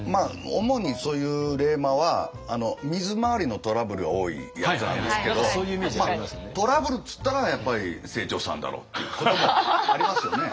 主にそういう冷マは水回りのトラブルが多いやつなんですけどトラブルっていったらやっぱり清張さんだろうっていうこともありますよね。